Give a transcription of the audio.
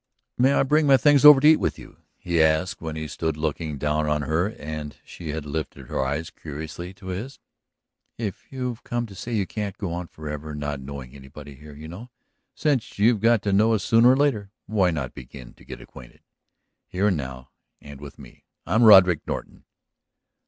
"May I bring my things over and eat with you?" he asked when he stood looking down on her and she had lifted her eyes curiously to his. "If you've come to stay you can't go on forever not knowing anybody here, you know. Since you've got to know us sooner or later why not begin to get acquainted? Here and now and with me? I'm Roderick Norton."